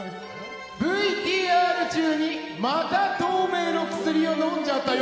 ＶＴＲ中にまた透明の薬を飲んじゃったよ。